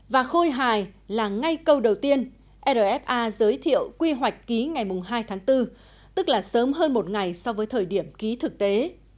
và khôi hài là ngay câu đầu tiên rfa giới thiệu quy hoạch ký ngày hai tháng bốn tức là sớm hơn một ngày so với thời điểm ký thực tế